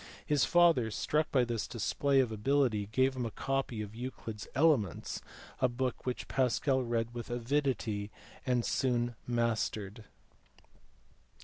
His father struck by this display of ability gave him a copy of Euclid s Elements, a book which Pascal read with avidity and soon mastered.